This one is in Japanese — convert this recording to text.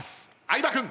相葉君。